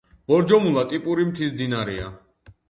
ბორჯომულა ტიპური მთის მდინარეა.